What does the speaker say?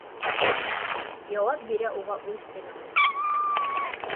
Яуап бирә уға үҙ телендә.